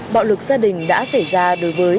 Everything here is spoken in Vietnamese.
bạo lực gia đình đã xảy ra đối với